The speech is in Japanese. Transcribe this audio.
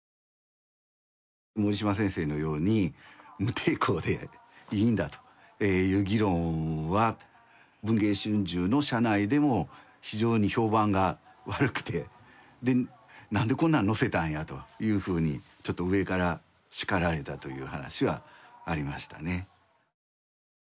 森嶋先生のように無抵抗でいいんだという議論は文藝春秋の社内でも非常に評判が悪くてで「なんでこんなん載せたんや」というふうにちょっと上から叱られたという話はありましたね。